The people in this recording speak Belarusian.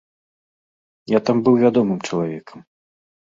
Я там быў вядомым чалавекам.